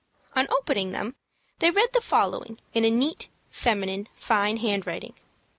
On opening them they read the following in a neat, feminine, fine handwriting.